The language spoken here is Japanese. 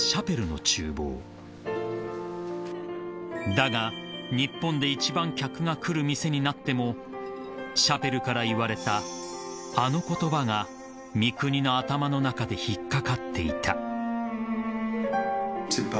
［だが日本で一番客が来る店になってもシャペルから言われたあの言葉が三國の頭の中で引っ掛かっていた］